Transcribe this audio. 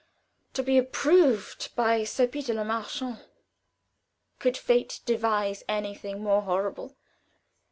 To be approved by Sir Peter Le Marchant, could fate devise anything more horrible?